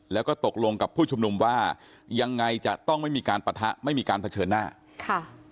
แล้วก็ตกลงกับผู้ชุมนุมว่ายังไงจะต้องไม่มีการปะทะไม่มีการเผชิญหน้าค่ะ